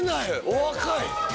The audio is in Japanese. お若い。